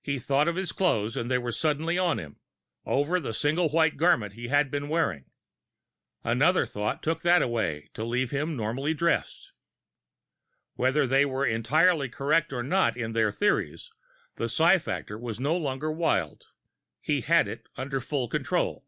He thought of his clothes, and they were suddenly on him, over the single white garment he had been wearing. Another thought took that away, to leave him normally dressed. Whether they were entirely correct or not in their theories, the psi factor was no longer wild. He had it under full control!